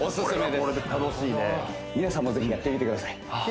これはこれで楽しいね皆さんもぜひやってみてください